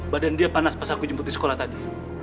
badan dia panas pas aku jemput di sekolah tadi